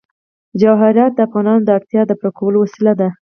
جواهرات د افغانانو د اړتیاوو د پوره کولو وسیله ده.